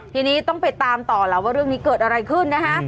ทีนี้ต้องไปตามต่อแล้วว่าเรื่องนี้เกิดอะไรขึ้นนะฮะ